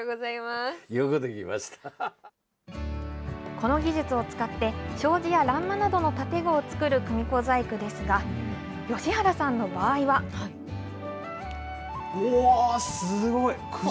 この技術を使って障子や欄間などの建具を作る組子細工ですが、うわー、すごい。